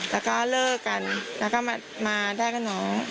แล้วก็เลิกกันแล้วก็มาได้กับน้อง